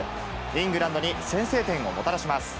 イングランドに先制点をもたらします。